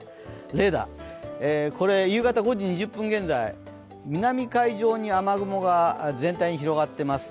レーダー、夕方５時２０分現在南海上に雨雲が全体に広がっています。